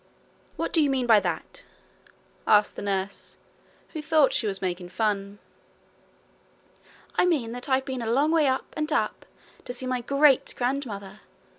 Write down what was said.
'What do you mean by that?' asked the nurse, who thought she was making fun. 'I mean that I've been a long way up and up to see My GREAT grandmother.